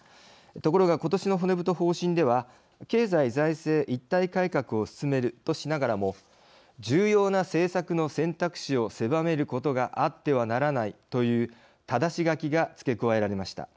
ところが、今年の骨太方針では経済・財政一体改革を進めるとしながらも重要な政策の選択肢を狭めることがあってはならないというただし書きが付け加えられました。